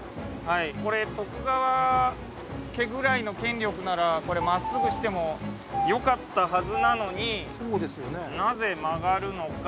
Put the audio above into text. これ徳川家ぐらいの権力なら真っすぐにしてもよかったはずなのになぜ曲がるのか。